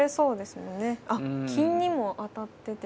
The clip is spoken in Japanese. あっ金にも当たってて。